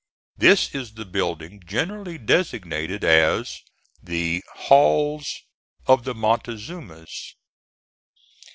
This is the building generally designated as the "Halls of the Montezumas."